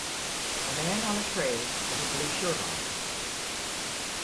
A man on a train with a blue shirt on